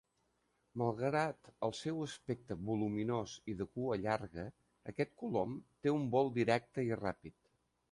Malgrat el seu aspecte voluminós i de cua llarga, aquest colom té un vol directe i ràpid.